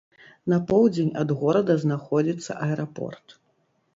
На поўдзень ад горада знаходзіцца аэрапорт.